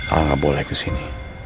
al gak boleh kesini